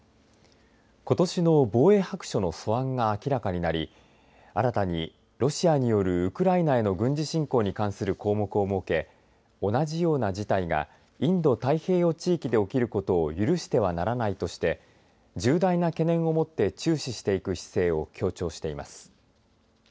ことしの防衛白書の素案が明らかになり新たにロシアによるウクライナへの軍事侵攻に関する項目を設け同じような事態がインド太平洋地域で起きることを許してはならないとして重大な懸念を持って注視していく姿勢を強調しています。